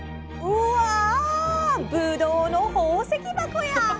「うわ！ぶどうの宝石箱や！」。